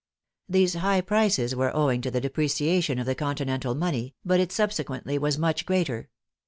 These high prices were owing to the depreciation of the continental money, but it subsequently was much greater.